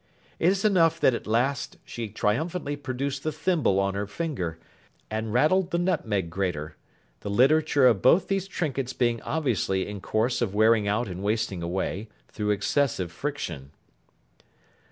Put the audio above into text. It is enough that at last she triumphantly produced the thimble on her finger, and rattled the nutmeg grater: the literature of both those trinkets being obviously in course of wearing out and wasting away, through excessive friction.